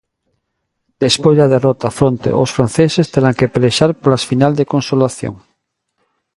Despois da derrota fronte os franceses terán que pelexar polas final de consolación.